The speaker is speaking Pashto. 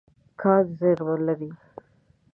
کان زیرمه لري.